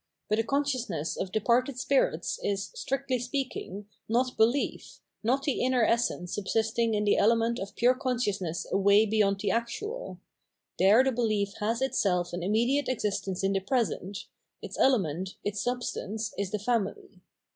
But a consciousness of departed spirits is, strictly speaking, not behef, not the iimer essence subsisting in the element of pure consciousness away beyond the actual : there the behef has itself an immediate existence in the present ; its element, its substance is the family.